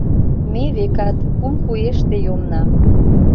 Ме, векат, кум куэште йомна